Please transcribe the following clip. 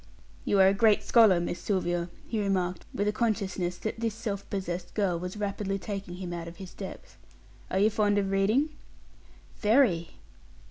"You are a great scholar, Miss Sylvia," he remarked, with a consciousness that this self possessed girl was rapidly taking him out of his depth. "Are you fond of reading?" "Very."